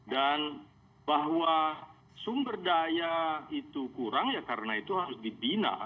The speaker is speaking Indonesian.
dan bahwa sumber daya itu kurang ya karena itu harus dibina